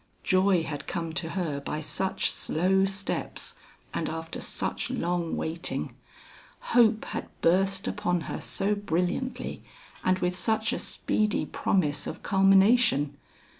Joy had come to her by such slow steps and after such long waiting. Hope had burst upon her so brilliantly, and with such a speedy promise of culmination.